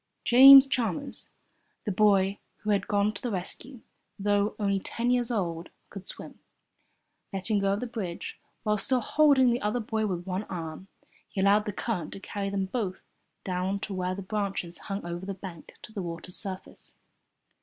James Chalmers the boy who had gone to the rescue though only ten years old, could swim. Letting go of the bridge, while still holding the other boy with one arm, he allowed the current to carry them both down to where the branches hung over the bank to the water's surface.